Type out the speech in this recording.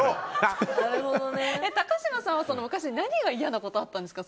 高嶋さんは昔、何が嫌なことがあったんですか？